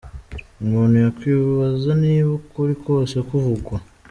Umuntu yakwibaza niba ukuri kose kuvugwa.